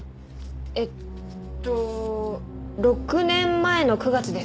えっと６年前の９月です。